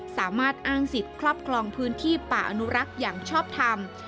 สามารถอ้างสิทธิ์ครอบครองพื้นที่ป่าอนุรักษ์อย่างชอบทำ